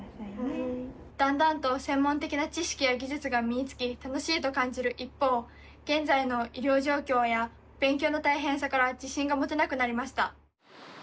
だんだんと専門的な知識や技術が身につき楽しいと感じる一方現在の医療状況や勉強の大変さから自信が持てなくなりました。